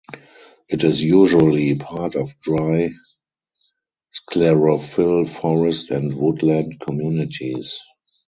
It is usually part of dry sclerophyll forest and woodland communities.